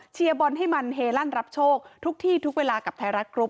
บอลให้มันเฮลั่นรับโชคทุกที่ทุกเวลากับไทยรัฐกรุ๊ป